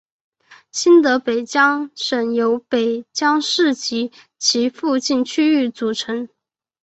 新的北江省由北江市及其附近区域组成。